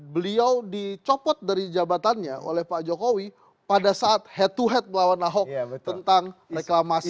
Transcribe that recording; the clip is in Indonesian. beliau dicopot dari jabatannya oleh pak jokowi pada saat head to head melawan ahok tentang reklamasi